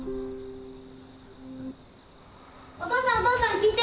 お父さんお父さん聞いて！